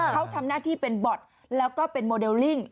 เขาทำหน้าที่เป็นบอร์ดแล้วก็เป็นโมเดลลิ่ง